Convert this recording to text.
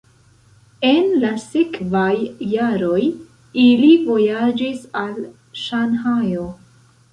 En la sekvaj jaroj ili vojaĝis al Ŝanhajo.